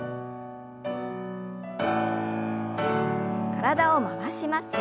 体を回します。